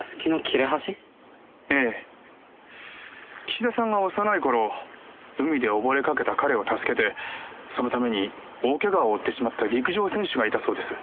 岸田さんが幼い頃海で溺れかけた彼を助けてそのために大怪我を負ってしまった陸上選手がいたそうです。